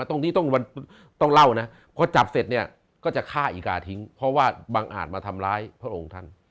ตรงนี้ต้องเล่านะพอจับเสร็จเนี่ยก็จะฆ่าอีกาทิ้งเพราะว่าบังอาจมาทำร้ายพระองค์ท่าน